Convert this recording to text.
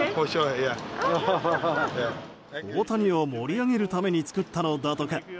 大谷を盛り上げるために作ったのだとか。